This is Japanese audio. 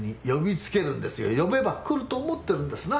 呼べば来ると思ってるんですな。